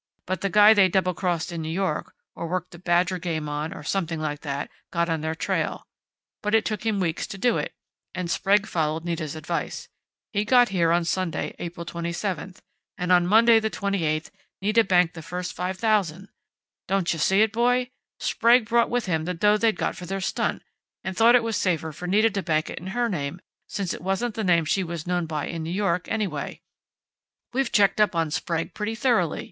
But the guy they double crossed in New York, or worked the badger game on, or something like that, got on their trail. But it took him weeks to do it, and Sprague followed Nita's advice. He got here on Sunday April 27, and on Monday the 28th Nita banked the first $5,000! Don't you see it, boy? Sprague brought with him the dough they'd got for their stunt, and thought it was safer for Nita to bank it in her name, since it wasn't the name she was known by in New York anyway. We've checked up on Sprague pretty thoroughly.